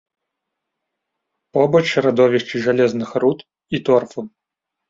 Побач радовішчы жалезных руд і торфу.